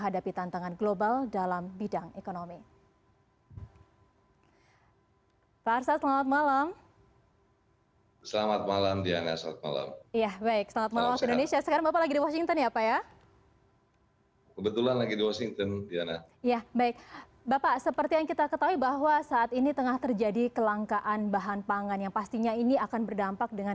dayana walaupun bagaimanapun